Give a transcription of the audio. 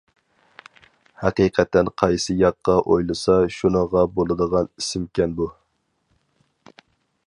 ھەقىقەتەن قايسى ياققا ئويلىسا شۇنىڭغا بولىدىغان ئىسىمكەن بۇ.